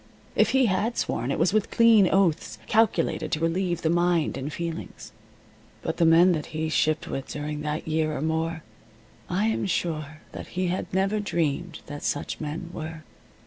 If he had sworn, it was with clean oaths, calculated to relieve the mind and feelings. But the men that he shipped with during that year or more I am sure that he had never dreamed that such men were.